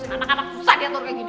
anak anak susah diatur kayak gini